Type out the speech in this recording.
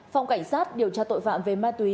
phòng cảnh sát điều tra tội phạm về ma túy